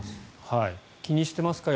気にしてますか。